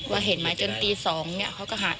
ว่าเห็นไหมจนตี๒เขาก็หาย